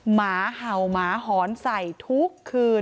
หมาเห่าหมาหอนใส่ทุกคืน